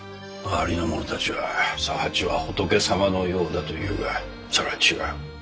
周りの者たちは佐八は仏様のようだと言うがそれは違う。